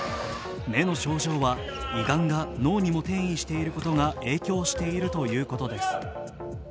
目の症状は胃がんが脳にも転移していることが影響しているということです。